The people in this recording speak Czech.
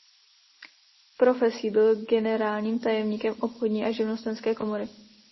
Profesí byl generálním tajemníkem obchodní a živnostenské komory.